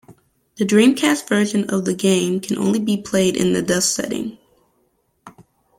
The Dreamcast version of the game can only be played in the dusk setting.